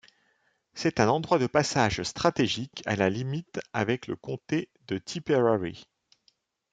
C'est un endroit de passage stratégique à la limite avec le Comté de Tipperary.